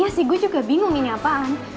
iya sih gue juga bingung ini apaan